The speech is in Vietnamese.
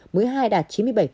mũi hai đạt chín mươi bảy ba